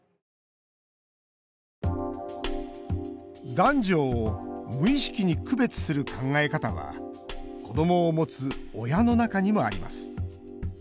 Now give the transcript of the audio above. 男女を無意識に区別する考え方は子どもを持つ親の中にもあります。